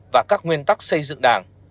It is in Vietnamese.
và các nguyên tắc xây dựng đảng